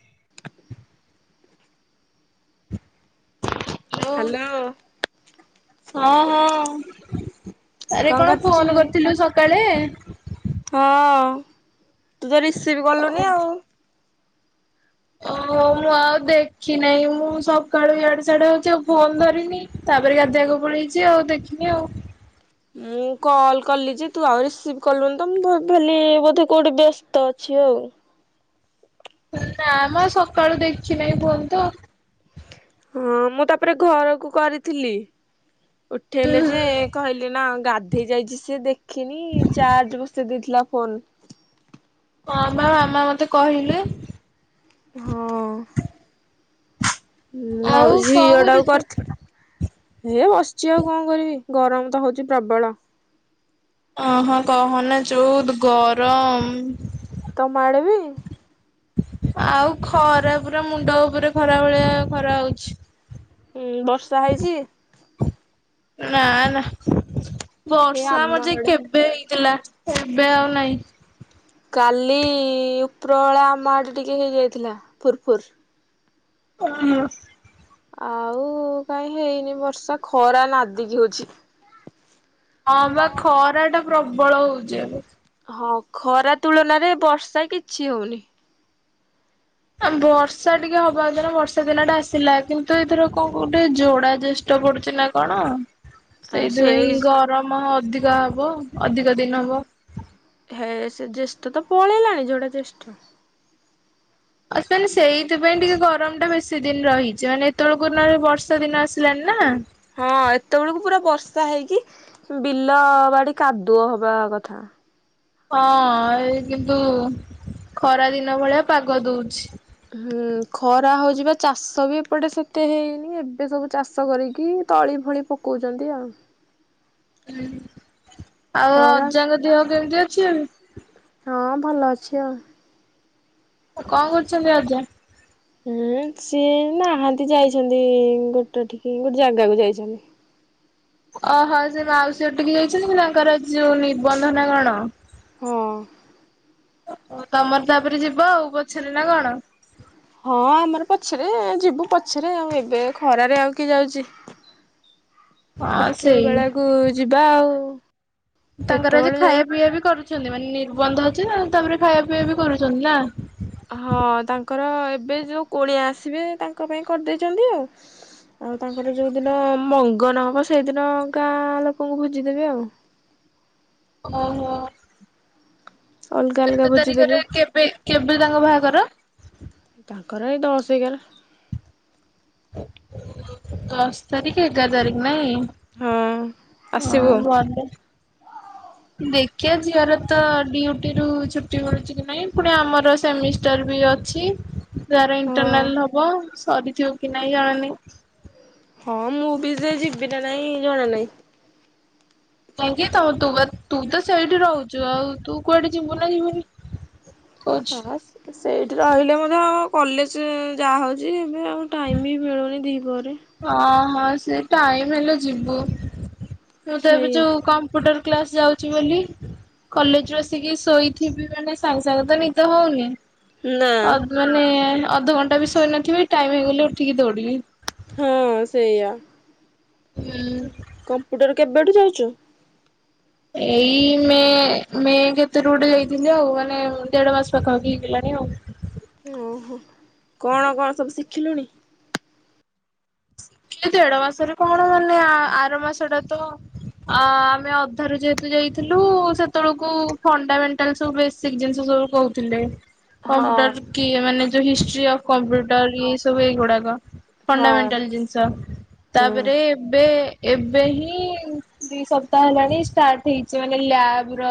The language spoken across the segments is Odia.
[inaudible] ହ୍ୟାଲୋ। ହାଲୋ। ହଁ ହଁ ଆରେ କଣ ଫୋନ କରିଥିଲୁ ସକାଳେ? ହଁ ତୁ ତ ରିସିଭ କଲୁନି ଆଉ। ହ। ହଁ ମୁଁ ଆଉ ଦେଖିନେଇ ମୁଁ ସକାଳୁ ଇଆଡେ ସିଆଡେ ହୋଉଚି ଆଉ ଫୋନ୍ ଧରିନି ତାପରେ ଗାଧେ ଗୋ ପଳେଇଚି ଆଉ ଦେଖିନି ଆଉ। ମୁଁ କଲ୍ କଲି ଯେ ତୁ ଆଉ ରିସିଭ୍ କଲୁନି ତ ମୁଁ ଭଲି ବୋଧେ କୋଉଠି ବ୍ୟସ୍ତ ଅଛି। ହୋଉ। ନା ମ ସକାଳୁ ଦେଖିନାଇଁ ଫୋନ୍ ତ। ହଁ ମୁଁ ତାପରେ ଘରକୁ କରିଥିଲି। ହୁଁ ଉଠେଇଲେ ହୁଁ ଯେ ହଁ କହିଲି ନା ଗାଧେଇ ଯାଇଛି ସେ ଦେଖିନି ଚାର୍ଜ୍ ବସେଇ ଦେଇଥିଲା। ଫୋନ୍। ହଁ ପା ମାମା ମତେ କହିଲେ। ହଁ। ମୁଁ ଆଉ କଣ ଝିଅ ଟାକୁ କରୁଛୁ? କରିଥି ହେ ବସିଛି ଆଉ କଣ କରିବି ଗରମ୍ ତ ହୋଉଛି ପ୍ରବଳ। ଅ ହଁ କହନା ଯୋଉ ଗରମ୍। ତମା ଆଡ଼େ ବିି? ଆଉ ଖରା ପୁରା ମୁଣ୍ଡ ଉପରେ ଖରା ଭଳିଆ ଖରା ହୋଉଛି। ହୁଁ ବର୍ଷା ହେଇଛି? ନାଁ ନାଁ ଏ ବର୍ଷା ଆମ ଯେ ଆଡେ କେବେ ଥିଲା ଏବେ ଆଉ ନାହିଁ। କାଲି ଉପରଏଳା ଆମ ଆଡେ ଟିକେ ହେଇଯାଇଥିଲା ଫୁର୍ ଫୁର୍। ଉଁ। ଆଉ କାଇଁ ହେଇନି ବର୍ଷା ଖରା ନାଦିକି ହୋଉଚି। ହଁ ପା ଖରା ଟା ପ୍ରବଳ ହୋଉଚି ଏବେ। ହଁ ଖରା ତୁଳନାରେ ବର୍ଷା କିଛି ହୋଉନି। ବର୍ଷା ଟିକେ ହବା ତାନା ବର୍ଷା ଦିନ ଟା ଆସିଲା କିନ୍ତୁ ଏଥର କଁ କୋଉଠି ଯୋଡା ଜେଷ୍ ଟ ପଡୁଚି ନା କଣ। ଆ ସେଇ ସେଇଥିପାଇଁ ଗରମ ଅଧିକା ହବ ଅଧିକ ଦିନ ବ। ହେ ସେ ଜ୍ୟେଷ୍ଠ ତ ପଳେଇଲାଣି ଯୋଡା ଜ୍ୟେଷ୍ଠ। ମାନେ ସେଇଥିପାଇଁ ଟିକେ ଗରମ ଟା ବେଶୀ ଦିନ୍ ରହିଚି ମାନେ ଏତେବେଳକୁ ନଲେ ବର୍ଷା ଦିନ ଆସିଲାନି ନା। ହଁ ଏତ ବେଳକୁ ପୁରା ବର୍ଷା ହେଇକି ବିଲ ବାଡି କାଦୁଅ ହବା କଥା। ହଁ ଏ କିନ୍ତୁ ଖରା ଦିନ ଭଳିଆ ପାଗ ଦୋଉଛି। ହୁଁ ଖରା ହଉଛିିପା ଚାଷ ବି ଏପଟେ ସେତେ ହେଇନି ଏବେ ସବୁ ଚାଷ କରିକି ତଳି ଫଳି ପକୋଉଚନ୍ତି ଆଉ। ହୁଁ ଆଉ ଖରା ଅଜାଙ୍କ ଦେହ କେମିତି ଅଛି ଏବେ? ହଁ ଭଲ ଅଛି ଆଉ। କଁ କରୁଚନ୍ତି ଅଜା? ହୁଁ ସିଏ ନାହାନ୍ତି ଯାଇଛନ୍ତି ଗୋଟ ଠିକି ଗୋଟେ ଜାଗାକୁ ଯାଇଛନ୍ତି। ଓହୋଁ ସେ ମାଉସୀ ହଟିକେ ଯାଇଛନ୍ତି କି ତାଙ୍କର ଆଯି ଯୋଉ ନିର୍ବନ୍ଧନା କଣ? ହଁ। ତମର ତାପରେ ଯିବ ଆଉ ପଛରେ ନା କଣ? ହଁ ଆମର ପଛରେ ଯିବୁ ପଛରେ ଆଉ ଏବେ ଖରାରେ ଆଉ କିଏ ଯାଉଚି। ହଁ ଉପ୍ତର ସେଇ ବେଳାକୁ ଯିବା ଆଉ। ତାଙ୍କର ଆଜି ଏତେବେଳେ ଯାଇ ଖାଇବା ପିଇବା ବି କରୁ ଛନ୍ତି ମାନେ ନିର୍ବନ୍ଧ ଅଛି ତାପରେ ଖାଇବା ପିଇ ବି କରୁଚନ୍ତି ନା? ହଁ ତାଙ୍କର ଏବେ ଯୋଉ କୁଣିଆ ଆସିବେ ତାଙ୍କ ପାଇଁ କରିଦେଇଚନ୍ତି ଆଉ। ଆଉ ତାଙ୍କର ଯୋଉଦିନ ମଂ ଗନ ହବ ସେଇଦିନ ଗାଁ ଲୋକଙ୍କୁ ଭୋଜିଦେବେ ଆଉ। ଓହୋ। ଅଲଗା ଅଲଗା କେତେ ଭୋଜି ଦେବେ ତାରିଖରେ କେବେ କେବେ ତାଙ୍କ ବାହାଘର? ତାଙ୍କର ଏ ଦଶ୍ ଏଗାର। ଦଶ ତାରିଖି ଏଗାର ତାରିଖ। ହଁ ନାଇଁ ଆସିବୁ ହଁ ଭଲ। ଦେଖିବା ଝିଅର ତ ଡିଉଟି ରୁ ଛୁଟି ମିଳୁଛି କି ନାହିଁ ପୁଣି ଆମର ସେମିଷ୍ଟାର ବି ଅଛି ତାର ହଁ। ଇଣ୍ଟରନାଲ ହବ ସରିଥିବ କି ନାଇଁ ଜଣାନି। ହଁ ମୁଁ ବି ସେ ଯିବି ନା ନାଇଁ ଜଣା ନାହିଁ। କାହିଁକି ତମ ତୁ ତ ସେଇଠି ରହଚୁ, ଆଉ ତୁ କୁଆଡେ ଯିବୁ ନା ଯିବୁନି? [inaudible] ହ ସେଠ ସେଇଠି ରହିଲେ ମଧ୍ୟ କଲେଜ ଯାହାହଉଛି ଯିବି ଆଉ ଟାଇମ୍ ହି ମିଳୁନି ଦିପହରେ। ଅଁ ହଁ ସେ ଟାଇମ ହେଲେ ଯିବୁ ମୁଁ ତ ଏବେ ସେଇଆ ଯୋଉ କମ୍ପୁଟର କ୍ଲାସ୍ ଯାଉଚି ବୋଲି କଲେଜରୁ ଆସିକି ଶୋଇଥିବି ମାନେ ସାଙ୍ଗେ ସାଙ୍ଗେ ତ ନିଦ ହଉନି। ନା ଅଧ ମାନେ ଅଧଘଣ୍ଟା ବି ଶୋଇନଥିବି, ଟାଇମ ହେଇଗଲେ ଉଠିକି ଦୌଡିବି। ହଁ ସେଇଆ ହୁଁ କମ୍ପ୍ୟୁଟର କେବେଠୁ ଯାଉଚୁ? ଏଇ ମେ ମେ କେତେ ରେ ଗୋଟେ ଯାଇଥିଲି, ଆଉ ମାନେ ଦେଢ ମାସ ପାଖା ପାଖି ହେଇଗଲାଣି। ଣି ଆଉ। ଓ ହୋ କଣ କଣ ସବୁ ଶିଖିଲୁଣି? ଶିଖିଲି ଦେଢ ମାସରେ କଣ ମାନେ ଆର ମାସ ଟା ତ ଆ ଆମେ ଅଧା ରୁ ଯେହେତୁ ଯାଇଥିଲୁ ସେତେବେଳକୁ ଫଣ୍ଡାମେଣ୍ଟାଲ ସବୁ ବେସିକ ଜିନିଷ ସବୁ ବୁ କହୁଥିଲେ। ହଁ କମ୍ପ୍ୟୁଟର କି ମାନେ ଯୋଉ ହିଷ୍ଟ୍ରି ଅଫ କମ୍ପୁଟର ଏଇ ସବୁ ଏଇଗୁଡାକ। ହଁ ଫଣ୍ଡାମେଣ୍ଟାଲ ଜିନିଷ ହୁଁ। ତାପରେ ଏବେ ଏବେ ହିଁ ଦି ସପ୍ତାହ ହେଲାଣି ଷ୍ଟାର୍ଟ ହେଇଚି ମାନେ ଲାବ ର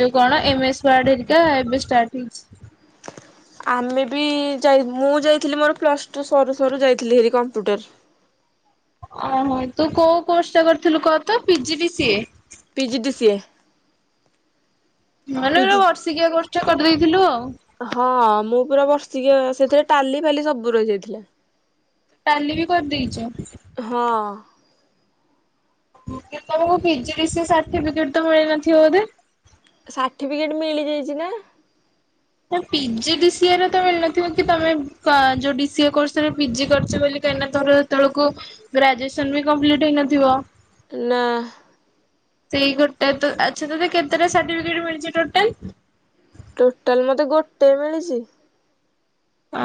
ଯୋଉ କଣ ଏମ ଏସ ୱାର୍ଡ ହରିକା ଏବେ ଷ୍ଟାର୍ଟ ହେଇଚି। ଆମେ ବି ଯାଇ ମୁଁ ଯାଇଥିଲି ମୋର ପ୍ଲସ ଟୁ ସରୁ ସରୁ ଯାଇଥିଲି ହେରି କମ୍ପ୍ୟୁଟର। ଓ ହୋ ତୁ କୋଉ କୋର୍ସ ଟା କରିଥିଲୁ କହ ତ P G D C A? P G D C A. ମାନେ ପି ଗୋଟେ ଜି ବର୍ଷିକିଆ କୋର୍ସ ଟା କରିଦେଇଥିଲୁ ଆଉ। ହଁ ମୁଁ ପୁରା ବର୍ଷ ଟିକେ ସେଥିରେ ଟାଲି ଫାଲି ସବୁ ରହିଯାଇଥିଲା। ଟାଲି ବି କରିଦେଇଚୁ? ହଁ। କିନ୍ତୁ ତମକୁ P G D C A certificate ତ ମିଳି ନ ଥିବ ବୋଧେ? ସାର୍ଟିଫିକେଟ ମିଳିଯାଇଚି ନା। ପି ଜି ଡି ସି ଏରେ ତ ମିଳିନଥିବ କି ତମେ ଯୋଉ ଡି ସି ଏ କୋର୍ସରେ ପି ଜି କରଚ ବୋଲି କାହିଁକିନା ତୋର ଏତ ବେଳକୁ ଗ୍ରାଜୁଏସନ ବି କମ୍ପ୍ଲିଟ ହେଇନଥିବ। ନା। ସେଇ ଗୋଟେ ତ ଆଛା ତତେ କେତେ ଟା ସାର୍ଟିଫିକେଟ ମିଳିଚି ଟୋଟାଲ୍? ଟୋଟାଲ୍ ମତେ ଗୋଟେ ମିଳିଚି।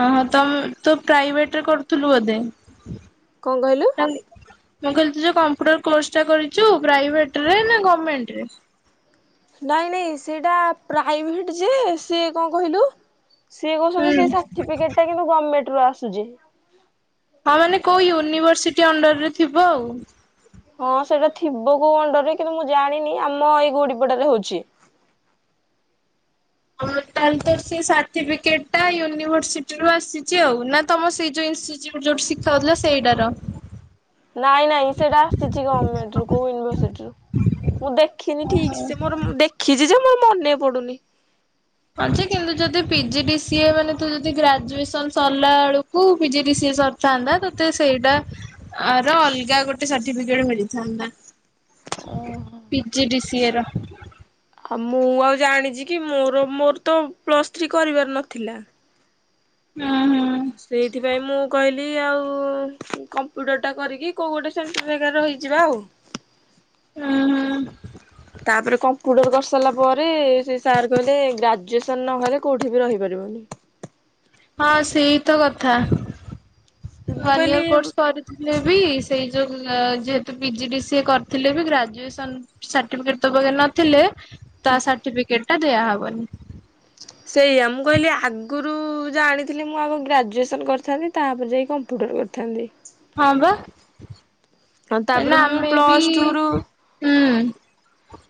ଅହୋ ତମେ ତୁ ପ୍ରାଇଭେଟ ରେ କରୁଥିଲୁ ବୋଧେ। କଣ କହିଲୁ? ମୁଁ କହିଲି ତୁ ଯୋଉ କମ୍ପୁଟର କୋର୍ସ ଟା କରିଚୁ ପ୍ରାଇଭେଟରେ ନା ଗମେଣ୍ଟ ରେ? ନାଇଁ ନାଇଁ ସେଇଟା ପ୍ରାଇଭେଟ ଯେ ସେ କଣ କହିଲୁ ସିଏ କହୁଚନ୍ତି ହୁଁ ସେ ସାର୍ଟିଫିକେଟ କିନ୍ତୁ ଗମେଣ୍ଟ ରୁ ଆସୁଚି। ହଁ ମାନେ କୋଉ ୟୁନିଭରସିଟି ଅଣ୍ଡରରେ ଥିବ ଆଉ। ହଁ ସେଇଟା ଥିବ କୋଉ ଅଣ୍ଡରରେ କିନ୍ତୁ ମୁଁ ଜାଣିନି ଆମ ଏଇ ଗୁଡିପୋଡାରେ ହଉଚି। [inaudible] ହ ତାହେଲେ ତ ସେ ସାର୍ଟିଫିକେଟ ଟା ୟୁନିଭର୍ସିଟିରୁୁ ଆସିଚି ଆଉ ନା ତମ ସେ ଯଉ ଇ ଷ୍ଟିଟ୍ୟୁଟ ଯୋଉଠି ଶିଖାହଉଥିଲା ସେଇଟା ର? ନାଇଁ ନାଇଁ ସେଇଟା ଆସିଚି ଗମେଣ୍ଟରୁ କୋଉ ୟୁନିଭରସିଟିରୁ। ମୁଁ ଦେଖିନି ଠିକ ସେ ମୋର ଦେଖିଚି ଯେ ମୋର ମନେ ପଡୁନି। ହଁ ଯେ କିନ୍ତୁ ଯଦି P G D C A ମାନେ ତୁ ଯଦି ଗ୍ରାଜୁଏସନ ସରିଲା ବେଳକୁ P G D C A ସରିଥାନ୍ତା, ତତେ ସେଇଟା ଆର ଅଲଗା ଗୋଟେ ସାର୍ଟିଫିକେଟ ମିଳିଥାନ୍ତା। ଓହୋ P G D C A ର ଆଉ ମୁଁ ଆଉ ଜାଣିଛି କି ମୋର ମୋର ତ ପ୍ଲସ୍ ଥ୍ରୀ କରିବାର ନଥିଲା। ହୁଁ। ହୁଁ ସେଇଥିପାଇଁ ମୁଁ କହିଲି ଆଉ କମ୍ପ୍ୟୁଟର ଟା କରିକି କୋଉ ଗୋଟେ ସେଣ୍ଟର ଜାଗା ରହିଯିବା ଆଉ। [inaudible] ହୁଁ। ତା ପରେ କମ୍ପା ମ୍ପୁଟର କରି ସାରିଲା ପରେ ସେ ସାର୍ କହିଲେ ଗ୍ରାଜୁଏସନ ନହେଲେ କୋଉଠି ବି ରହିପାରିବନି। ହଁ ସେଇ ତ କଥା ମୁଁ ୱାନ କହିଲି ୟଇର କୋର୍ସ କରିଥିଲେ ବି ସେଇ ଯୋଉ ଅଁ ଯେହେତୁ P G D C A କରିଥିଲେ ବି ଗ୍ରାଜୁଏସନ ସାର୍ଟିଫିକେଟ ତୋ ପାଖରେ ନ ଥିଲେ ତା ସାର୍ଟିଫିକେଟ ଟା ଦିଆ ହବନି। ସେଇଆ ମୁଁ କହିଲି ଆଗୁରୁ ରୁ ଜାଣିଥିଲି ମୁଁ ଆଗ ଗ୍ରାଜୁଏସନ୍ କରିଥାନ୍ତି ତାପରେ ଯାଇ କମ୍ପ୍ୟୁଟର କରିଥାନ୍ତି। ହଁ ବା ଆଉ ତାପରେ ନା ମୁଁ ଆମେ ବି ପ୍ଲସ୍ ଟୁ ରୁ ହୁଁ।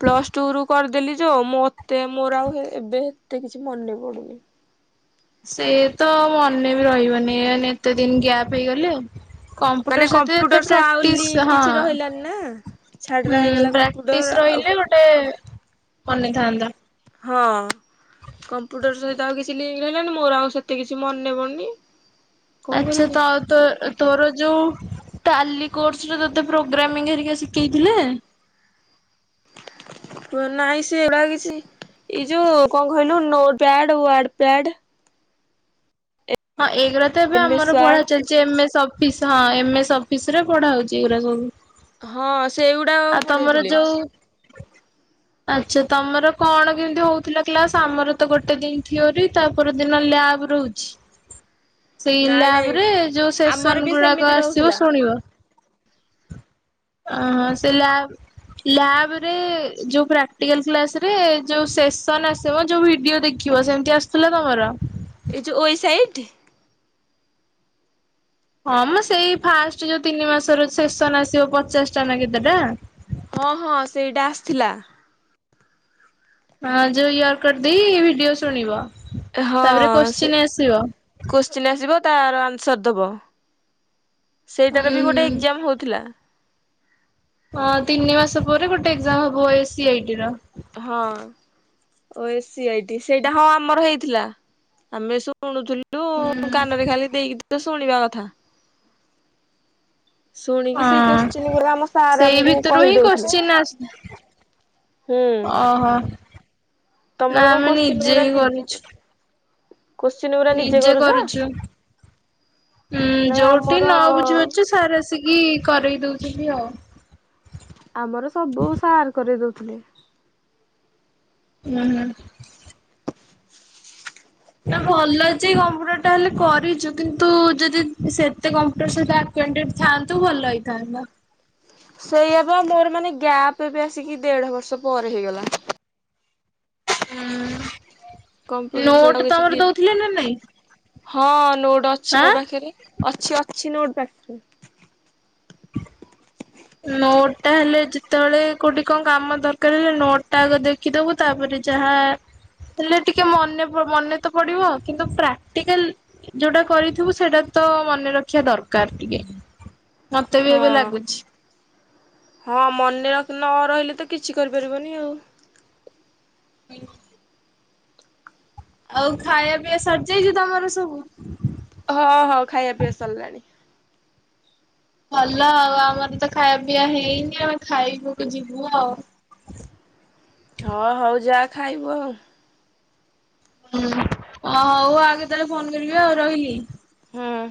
ପ୍ଲସ୍ ଟୁ ରୁ କର ଦେଲି ଯଉ ମତେ ମୋର ଆଉ ହେ ଏବେ ହେତେ କିଛି ମନେ ପଡୁନି। ସେ ତ ମନେ ବି ରହିବନି ଏନେ ଏତେ ଦିନ ଗ୍ୟାପ୍ ହେଇଗଲେ ମାନେ କମ୍ପୁଟର୍ ସେତେ ଏତେ କମ୍ପ୍ୟୁଟର ସହ ଆଉ ପ୍ରାକ୍ଟିସ୍ ଲିଙ୍କ ହଁ। କିଛି ରହିଲାନି ନା। ଛାଡରା ହୁଁ ହେଇଗଲା କମ୍ପ୍ୟୁଟର ପ୍ରାକ୍ଟିସ ଆଉ ରହିଲେ ଗୋଟେ ମନେଥାନ୍ତା। ହଁ। କମ୍ପୁଟର ସହିତ ଆଉ କିଛି ଲିଙ୍କ୍ ରହିଲାନି ମୋର ଆଉ ସେତେ କିଛି ମନେ ପଡୁନି। କଣ ଆଛା କରିମି ତ ତୋ ତୋର ଯୋଉ ଟାଲି କୋର୍ସର ତତେ ପ୍ରୋଗ୍ରାମିଂ ହେରିକା ଶିଖେଇଥିଲେ? ୱ ନାହିଁ ସେ ଗୁଡା କିଛି ଏଇ ଯୋଉ କଣ କହିଲୁ ନୋ ପ୍ୟାଡ ୱାର୍ଡ ପ୍ୟାଡ ହଁ ଏଗୁରା ତ ଏବେ ଏମ ଆମ ଏସ ପଢା ୱାର୍ଡ ଚାଲିଛି ଏମ ସ୍ପ୍ ଇସ୍ ହଁ ଏମ୍ ଏସ୍ ଅଫିସ ରେ ପଢା ହଉଛି ଏଗୁରା ସବୁ। ହଁ ସେଗୁଡାକ ଆଉ ତମର ପଢେଇଥିଲେ। ଯୋଉ ଆଚ୍ଛା ତମର କଣ କେମତି ହଉଥିଲା କ୍ଲାସ ଆମର ତ ଗୋଟେ ଦିନ ଥିଓରି ତାପର ଦିନ ଲ୍ଯା ଆବ ରହୁଚି। ସେଇ ନାଇଁ ନାଇଁ ଲ୍ଯାବରେ ଯୋଉ ଆମର ସେସନ ବି ଗୁଡାକ ସେମିତି ଆସିବ ରହୁଥିଲା ଶୁଣିବ। ଅହଁ ସେ ଲ୍ଯାବ୍ ଲ୍ଯାବରେ ଯୋଉ ପ୍ରାକ୍ଟିକାଲ କ୍ଲାସରେ ଯୋଉ ସେସନ ଆସିବ ଯୋଉ ଭିଡିଓ ଦେଖି ଡିଓ ସେମିତି ଆସୁଥିଲେ ତମର? ଏ ଯୋଉ ୱସାଇଟ୍ ହଁ ମୁଁ ସେଇ ଫାଷ୍ଟ ଯୋଉ ତିନି ମାସର ସେସନ୍ ଆସିବ ପଚାଶ ଟା ନା କେତେଟା? ହଁ ହଁ ସେଇଟା ଆସିଥିଲା। ହଁ ଯୋଉ ୟର କଡ୍ ଦେଇ ଭିଡିଓ ଶୁଣିବ। ହଁ ତାପରେ ସେ କୋଶ୍ଚିନ୍ ଆସିବ କୋସ୍ଚିନ୍ ଆସିବ ତାର ଆନ୍ସର ଦେବ ହୁଁ ସେଇଟାର ବି ଗୋଟେ ହୁଁ ଏଗଜାମ୍ ହୋଉଥିଲା। ହଁ ତିନି ମାସ ପରେ ଗୋଟେ ଏଗଜାମ୍ ହବ ଏସି ଆଇ ଟି ର। ହଁ ଓ ଏସି ଆଇଟି ସେଇଟା ହଁ ଆମର ହେଇଥିଲା ଆମେ ସବ୍ ଶୁଣୁଥିଲୁ ହୁଁ କାନରେ ଖାଲି ଦେଇକି ତ ଶୁଣିବା କଥା। ଶୁଣିକି ସେଇ କୋଶ୍ଚିନ୍ ହଁ ଗୁରା ଆମ ସାର୍ ସେଇ ଆମକୁ ଭିତରୁ ହିଁ କହିଦଉଥିଲେ। କୋଶ୍ଚିନ୍ ଆସ୍ ହୁଁ ଅ ହ। ତମର ନା କଣ ଆମେ କୋଶ୍ଚିନ୍ ନିଜେ ଗୁରା ହି ନିଜେ କରିଚୁ। କୋଶ୍ଚିନ୍ ଗୁରା ନିଜେ କରୁଛ? କରୁଛୁ। ଉଁ ନାଇଁ ଯୋଉଠି ଆମର ନ ବୁଝିପାରୁଚୁ ସାର ଆସିକି କି କରେଇ ଦଉଛନ୍ତି ଆଉ। ଆମର ସବୁ ସାର୍ କରେଇ ଦଉଥିଲେ। ନା ନା। ନା ଭଲ ଯେ, କମ୍ପ୍ୟୁଟର ଟା ହେଲେ କରିଛୁ କିନ୍ତୁ ଯଦି ସେତେ କମ୍ପ୍ୟୁଟର ସହିତ ଆଟ୍ କୁଏଣ୍ଟେଡ ଥାନ୍ତୁ ଭଲ ହେଇଥାନ୍ତା। ସେଇଆ ବା ମୋର ମାନେ ଗ୍ୟାପ ବି ଆସିକି ଦେଢ ବର୍ଷ ପରେ ହେଇଗଲା। କମ୍ପୁଟର ସେଇଟା ନୋଟ କିଛି ତମର ଲିଙ୍କ୍ ଦଉଥିଲେ ନା ନାଇଁ? ହଁ ନୋଟ୍ ଅଛି ମୋ ଆଁ? ପାଖରେ। ଅଛି ଅଛି ନୋଟ ପାଖରେ। ନୋଟ୍ ଟା ହେଲେ ଯେତେବେଳେ କୋଉଠି କଁ କାମ ଦରକାର ହେଲେ ନୋଟ ଟା ଆଗ ଦେଖିଦବୁ ତାପରେ। ଯାହା। ହେଲେ ଟିକେ ମନେ ପ ମନେ ତ ପଡିବ। କିନ୍ତୁ ପ୍ରାକ୍ଟିକାଲ ଯୋଉଟା କରିଥିବୁ ସେଇଟା। ତ ମନେ ରଖିବା ଦରକାର ଟିକେ ମତେ ବି ଏବେ ହଁ। ଲାଗୁଛି। ହଁ ମନେ ରଖ ନ ରହିଲେ ତ କିଛି କରି ପାରିବନି ଆଉ। ଆଉ ଖାଇବା ପିଇଆ ସରିଜାଇଛି ତମର ସବୁ। ହ ହଁ ଖାଇବା ପିଇବା ସରିଲାଣି। ଭଲ ଆଉ ଆମର ତ ଖାଇବା ପିଇଆ ହେଇନି ଆମେ ଖାଇବାକୁ ଯିବୁ ଆଉ। ହଁ ହଉ ଯା ଖାଇବୁ ଆଉ। ହୁଁ ହ ହଉ ଆଉ କେତେବେଳେ ଫୋନ କରିବି ଆଉ ରହିଲି। ହୁଁ।